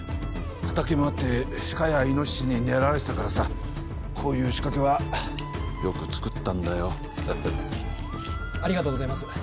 畑もあってシカやイノシシに狙われてたからさこういう仕掛けはよく作ったんだよハハッありがとうございます